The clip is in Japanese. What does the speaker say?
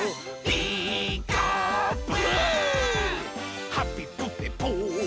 「ピーカーブ！」